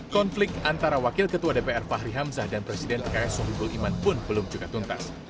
konflik antara wakil ketua dpr fahri hamzah dan presiden pks sohibul iman pun belum juga tuntas